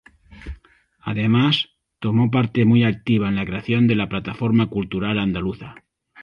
Además, tomó parte muy activa en la creación de la Plataforma Cultural Andaluza.